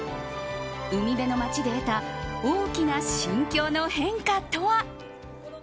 海辺の街で得た大きな心境の変化とは？